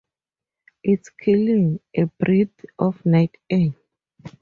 It’s killing, a breath of night air!